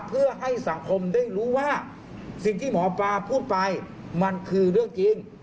เพื่อให้สังคมได้รู้ว่าสิ่งที่หมอปลาพูดไปมันคือเรื่องจริง